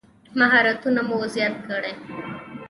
مهارتونه مو زیات کړئ